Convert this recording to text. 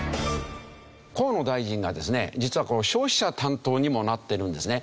河野大臣がですね実は消費者担当にもなっているんですね。